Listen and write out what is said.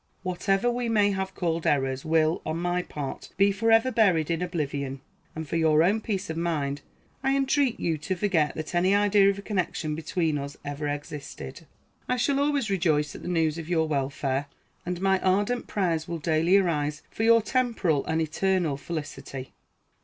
Whatever we may have called errors will, on my part, be forever buried in oblivion; and for your own peace of mind I entreat you to forget that any idea of a connection between us ever existed. I shall always rejoice at the news of your welfare, and my ardent prayers will daily arise for your temporal and eternal felicity.